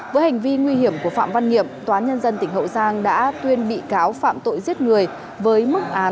với hành vi nguy hiểm của phạm văn nghiệm toán nhân dân tỉnh hậu giang đã tuyên bị cáo phạm tội giết người với mức án chín năm tù giam